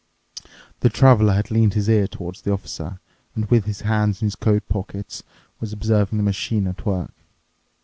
The Traveler had leaned his ear towards the Officer and, with his hands in his coat pockets, was observing the machine at work.